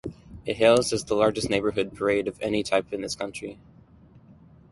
It hails as the largest neighborhood parade of any type in the country.